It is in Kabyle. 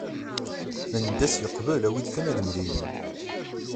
Mendas yeqbel awi-d kan ad mlilen.